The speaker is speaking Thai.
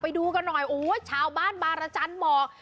ไปดูกันหน่อยโอ้ยชาวบ้านบารจันทร์บอก